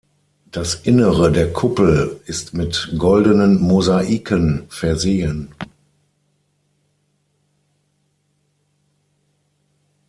Das Innere der Kuppel ist mit goldenen Mosaiken versehen.